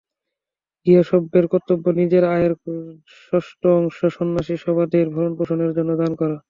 গৃহী সভ্যের কর্তব্য নিজের আয়ের ষষ্ঠ অংশ সন্ন্যাসী সভ্যদের ভরণপোষণের জন্য দান করা।